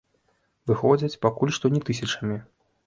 Выходзяць пакуль што не тысячамі.